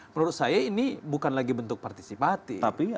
menurut saya ini bukan lagi bentuk partisipatif